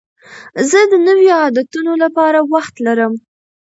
زه د نویو عادتونو لپاره وخت لرم.